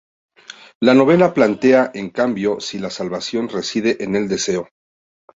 La novela plantea, en cambio, si la salvación reside en el deseo.